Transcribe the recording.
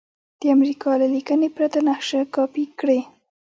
د امریکا له لیکنې پرته نقشه کاپي کړئ.